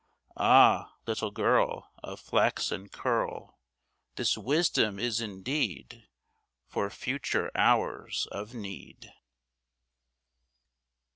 Ah, little girl Of flaxen curl, This wisdom is indeed For future hours of need.